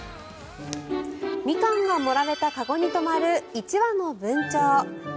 ミカンが盛られた籠に止まる１羽のブンチョウ。